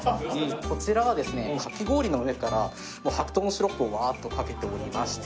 こちらはですねかき氷の上から白桃のシロップをワッとかけておりまして。